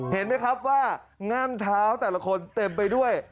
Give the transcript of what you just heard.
เห็นไหมครับว่าง่ามเท้าแต่ละคนเต็มไปด้วย